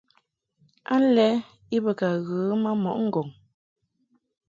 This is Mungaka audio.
Alɛ i be ka ghə ma mɔʼ ŋgɔŋ.